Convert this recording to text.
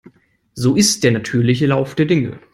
So ist der natürliche Lauf der Dinge.